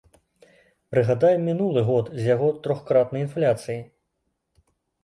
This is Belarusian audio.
Прыгадаем мінулы год з яго трохкратнай інфляцыяй.